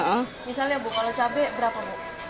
misalnya bu kalau cabai berapa bu